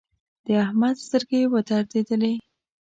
د احمد سترګې ودرېدلې.